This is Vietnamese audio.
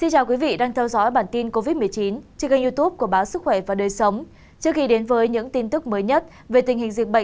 hãy đăng ký kênh để ủng hộ kênh của chúng mình nhé